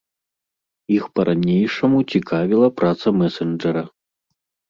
Іх па-ранейшаму цікавіла праца мэсэнджара.